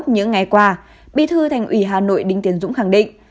những ngày qua bí thư thành ủy hà nội đinh tiến dũng khẳng định